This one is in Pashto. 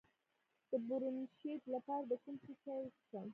د برونشیت لپاره د کوم شي چای وڅښم؟